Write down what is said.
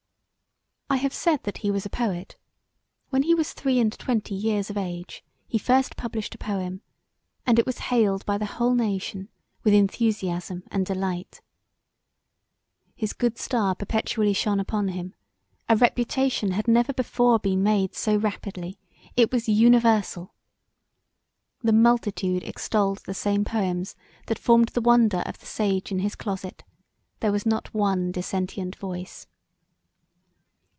I have said that he was a poet: when he was three and twenty years of age he first published a poem, and it was hailed by the whole nation with enthusiasm and delight. His good star perpetually shone upon him; a reputation had never before been made so rapidly: it was universal. The multitude extolled the same poems that formed the wonder of the sage in his closet: there was not one dissentient voice.